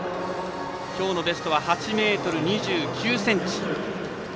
きょうのベストは８ｍ２９ｃｍ。